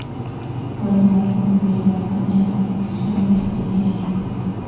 Fue ayudante de brigada en la sección de artillería.